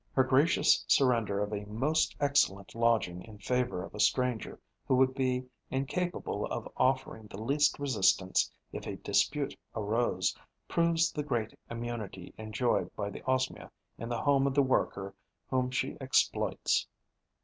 Her gracious surrender of a most excellent lodging in favour of a stranger who would be incapable of offering the least resistance if a dispute arose proves the great immunity enjoyed by the Osmia in the home of the worker whom she exploits.